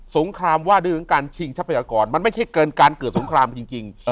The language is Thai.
งครามว่าด้วยของการชิงทรัพยากรมันไม่ใช่เกินการเกิดสงครามจริง